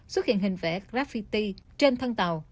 xuất hiện hình vẽ graffiti trên thân tàu